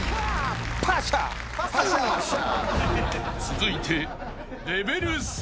［続いて］